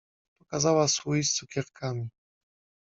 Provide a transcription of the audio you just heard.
Pokazała słój z cukierkami.